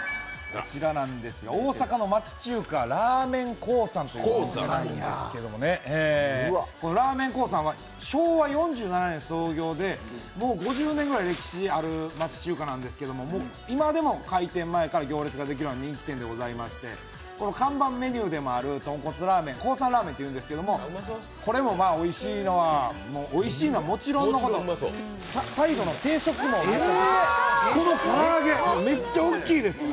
大阪の町中華、らーめんコーさんなんですけれどもね、昭和４７年創業でもう５０年くらい歴史ある町中華なんですけど今でも開店前から行列ができるような人気店でございまして、看板メニューでもあるとんこつラーメンコーさんらーめんというんですけどこれもおいしいのはもちろんのこと、サイドの定食も、この唐揚げ、めっちゃおっきいです！